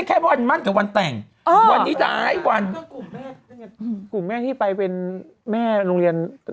คุณป้วยฝากว่าหนึ่งแต่งหน้าจากตีสี่ไปส่งรูปที่นี่